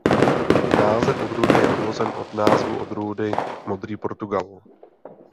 Název odrůdy je odvozen od názvu odrůdy "Modrý Portugal".